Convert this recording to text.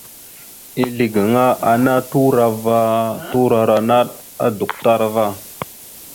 Ezle gaŋa ana turo ava turora naɗ adukətar ava.